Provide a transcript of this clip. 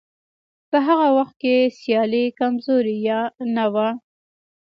په هغه وخت کې سیالي کمزورې یا نه وه.